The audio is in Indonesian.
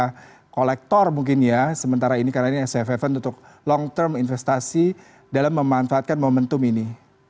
para kolektor mungkin ya sementara ini karena ini safe haven untuk long term investasi dalam memanfaatkan momentum ini